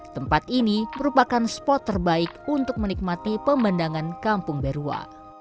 tempat ini merupakan spot terbaik untuk menikmati pemandangan kampung berua